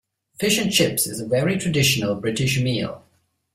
Fish and chips is a very traditional British meal